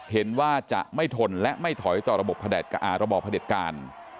เห็นว่าจะไม่ทนและไม่ถอยต่อระบบประแดดกะอาระบบประเด็ดการ